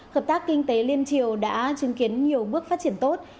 hợp tác kinh tế liên triều đã chứng kiến nhiều bước phát triển tốt